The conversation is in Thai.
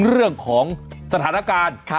เรื่องของสถานการณ์